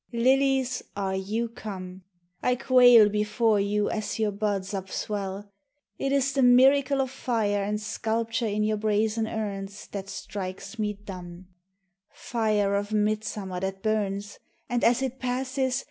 LILIES, are you come ! I quail before you as your buds upswell ; It is the miracle Of fire and sculpture in your brazen urns That strikes me dumb, — Fire of midsummer that burns, And as it passes.